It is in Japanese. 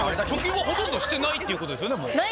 貯金はほとんどしてないっていうことですよね、もう。